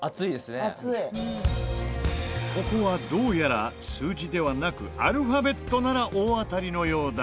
ここはどうやら数字ではなくアルファベットなら大当たりのようだが。